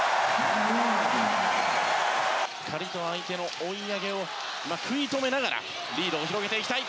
相手の追い上げを食い止めながらリードを広げていきたい。